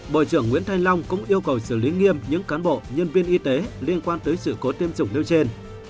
bộ trưởng nguyễn thanh long cũng yêu cầu xử lý nghiêm những cán bộ nhân viên y tế liên quan tới sự cố tiêm chủng nêu trên